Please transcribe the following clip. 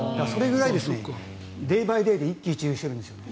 そのくらいデイ・バイ・デイで一喜一憂してるんです。